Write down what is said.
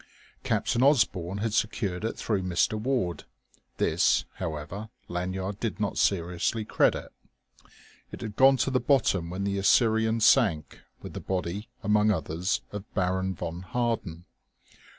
Captain Osborne had secured it through Mr. Warde. This, however, Lanyard did not seriously credit. It had gone to the bottom when the Assyrian sank with the body among others of Baron von Harden.